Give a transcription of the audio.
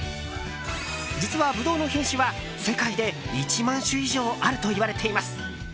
実は、ブドウの品種は世界で１万種以上あるといわれています。